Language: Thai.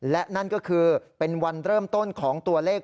และนั่นก็คือเป็นวันเริ่มต้นของตัวเลข